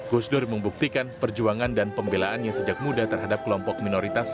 gus dur membuktikan perjuangan dan pembelaannya sejak muda terhadap kelompok minoritas